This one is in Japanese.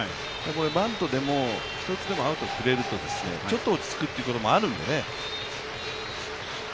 バントでも、１つでもアウトが取れるとちょっと落ち着くということもあるんでね。